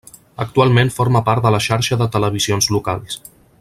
Actualment forma part de la Xarxa de Televisions Locals.